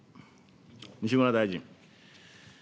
西村大臣。